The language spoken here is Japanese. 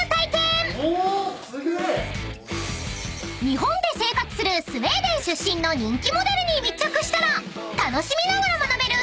［日本で生活するスウェーデン出身の人気モデルに密着したら楽しみながら学べる